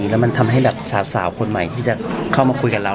แล้วมันทำให้แบบสาวคนใหม่ที่จะเข้ามาคุยกับเรา